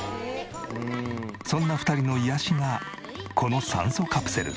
そんな２人の癒やしがこの酸素カプセル。